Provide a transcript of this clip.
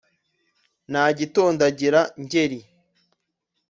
na gitondagira-ngeri.